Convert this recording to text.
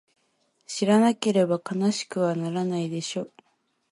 知らなければ悲しくはならないでしょ？